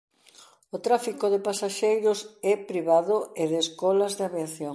O tráfico de pasaxeiros é privado e de escolas de aviación.